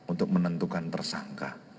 untuk menentukan tersangka